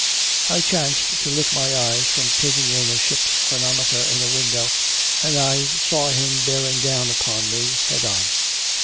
I chanced to lift up my eyes from looking in at a ship's chronometer in a window, and I saw him bearing down upon me, head on.